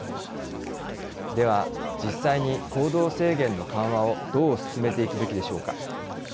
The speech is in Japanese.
では実際に行動制限の緩和をどう進めていくべきでしょうか。